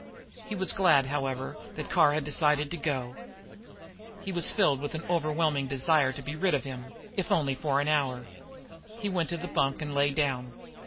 He was glad, however, that Carr had decided to go. He was, filled with an overwhelming desire to be rid of him, if only for an hour. He went to the bunk and lay down.